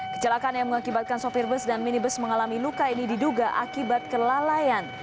kecelakaan yang mengakibatkan sopir bus dan minibus mengalami luka ini diduga akibat kelalaian